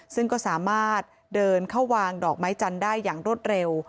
ซึ่งก็สามารถเดินเข้าวางดอกไม้จันทร์ได้อย่างรวดเร็ว